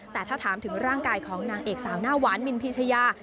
แต่ถ้าถามถึงร่างกายของนางเอกสาวหน้าหวานมินพีชยา